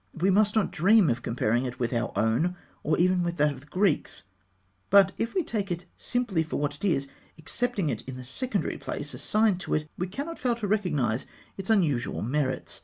We must not dream of comparing it with our own, or even with that of the Greeks; but if we take it simply for what it is, accepting it in the secondary place assigned to it, we cannot fail to recognise its unusual merits.